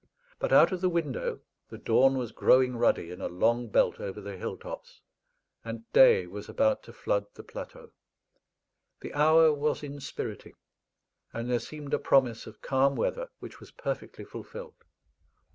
But out of the window the dawn was growing ruddy in a long belt over the hill tops, and day was about to flood the plateau. The hour was inspiriting; and there seemed a promise of calm weather, which was perfectly fulfilled.